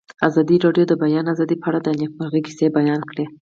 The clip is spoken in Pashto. ازادي راډیو د د بیان آزادي په اړه د نېکمرغۍ کیسې بیان کړې.